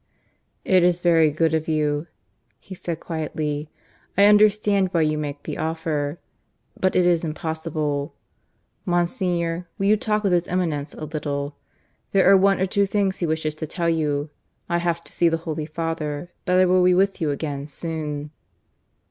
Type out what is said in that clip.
"It is very good of you," he said quietly. "I understand why you make the offer. But it is impossible. Monsignor, will you talk with His Eminence a little? There are one or two things he wishes to tell you. I have to see the Holy Father, but I will be with you again soon."